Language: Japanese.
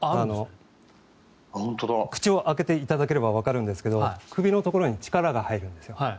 口を開けていただければわかるんですが首のところに力が入るんですよ。